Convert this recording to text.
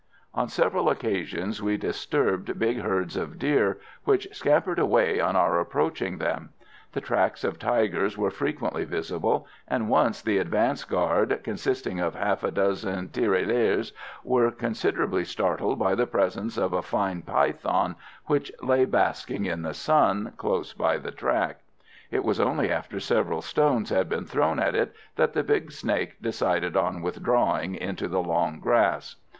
On several occasions we disturbed big herds of deer, which scampered away on our approaching them; the tracks of tigers were frequently visible, and once the advance guard, consisting of half a dozen tirailleurs, were considerably startled by the presence of a fine python which lay basking in the sun, close by the track. It was only after several stones had been thrown at it that the big snake decided on withdrawing into the long grass.